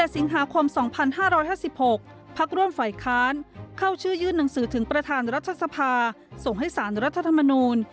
สิงหาคม๒๕๕๖พักร่วมฝ่ายค้านเข้าชื่อยื่นหนังสือถึงประธานรัฐสภาส่งให้สารรัฐธรรมนูล